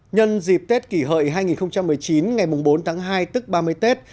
nhân dịp tết kỷ hợi hai nghìn một mươi chín ngày bốn tháng hai tức ba mươi tết